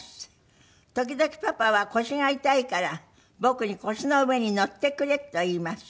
「時々パパは腰が痛いから僕に“腰の上に乗ってくれ”と言います」